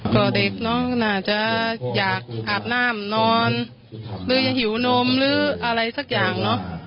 ก็เด็กน้องน่าจะอยากอาบน้ำนอนหรือยังหิวนมหรืออะไรสักอย่างเนอะ